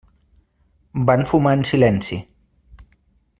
Van fumar en silenci.